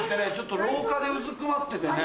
廊下でうずくまっててね。